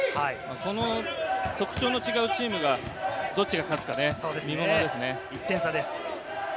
その特徴の違うチームがどっちが勝つか見物ですね。